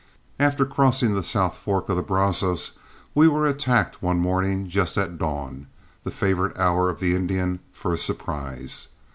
After crossing the South Fork of the Brazos, we were attacked one morning just at dawn, the favorite hour of the Indian for a surprise.